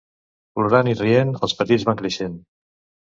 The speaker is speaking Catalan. Plorant i rient els petits van creixent.